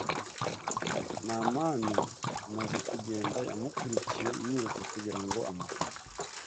Namani amaze kugenda yamukurikiye yiruka kugira ngo amufate